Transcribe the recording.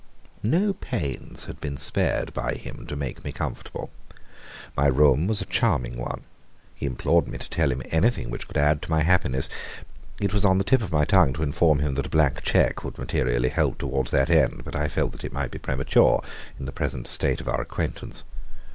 No pains had been spared by him to make me comfortable. My room was a charming one. He implored me to tell him anything which could add to my happiness. It was on the tip of my tongue to inform him that a blank cheque would materially help towards that end, but I felt that it might be premature in the present state of our acquaintance.